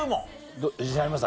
自信あります？